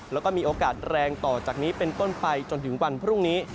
แล้วก็มีโอกาสแรงต่อจากนี้เป็นต้นไปจนถึงวันพรุ่งนี้